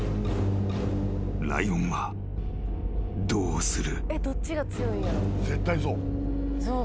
［ライオンはどうする？］